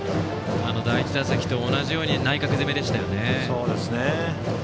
第１打席と同じように内角攻めでしたよね。